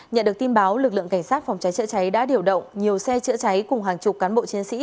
nhận được tin báo lực lượng cảnh sát phòng cháy chữa cháy đã điều động nhiều xe chữa cháy cùng hàng chục cán bộ chiến sĩ